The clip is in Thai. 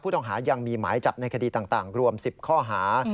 ต้องหายังมีหมายจับในคดีต่างรวม๑๐ข้อหา